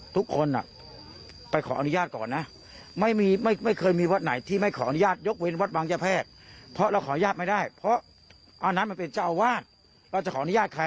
เตรียมแรงเท่ากับที่เรามีการไปถึงภาคส่วนของท่านนี้